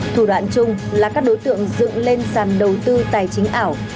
thủ đoạn chung là các đối tượng dựng lên sàn đầu tư tài chính ảo